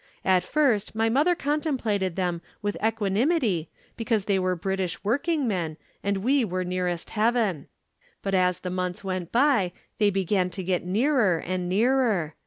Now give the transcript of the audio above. At first my mother contemplated them with equanimity because they were British working men and we were nearest heaven. But as the months went by, they began to get nearer and nearer.